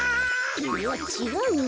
いやちがうな。